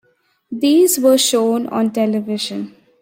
These were shown on television.